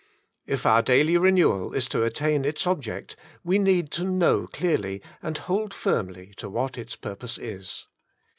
If our daily re newal is to attain its object we need to know clearly, and hold firmly to what its purpose is.